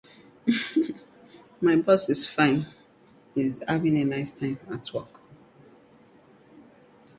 In a binary heap, the parent nodes have a higher priority than their children.